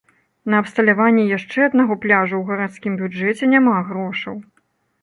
На абсталяванне яшчэ аднаго пляжу ў гарадскім бюджэце няма грошаў.